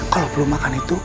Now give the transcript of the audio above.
kalau belum makan itu